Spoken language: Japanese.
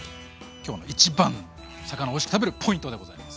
今日の一番の魚をおいしく食べるポイントでございます。